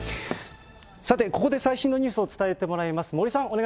さて、ここで最新のニュースを伝えてもらいます。